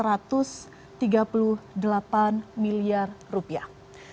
yang menelan biaya sekitar satu ratus tiga puluh delapan miliar rupiah